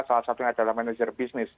salah satunya adalah manajer